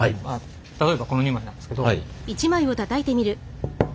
例えばこの２枚なんですけど。